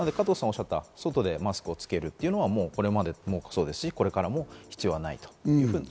佐藤さんがおっしゃった、外でマスクをつけるというのはこれまでもそうですし、これからも必要ない。